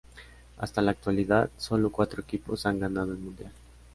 Hasta la actualidad, solo cuatro equipos han ganado el mundial.